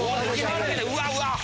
うわっわ！